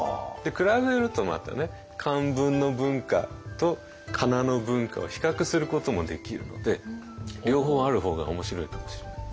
比べるとまたね漢文の文化とかなの文化を比較することもできるので両方ある方が面白いかもしれないですね。